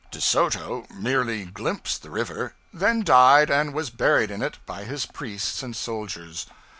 De Soto merely glimpsed the river, then died and was buried in it by his priests and soldiers.